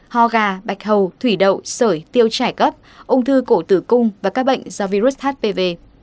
ho gà bạch hầu thủy đậu sởi tiêu chảy cấp ung thư cổ tử cung và các bệnh do virus hpv